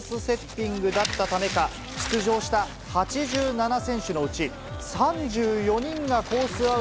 セッティングだったためか、出場した８７選手のうち、３４人がコース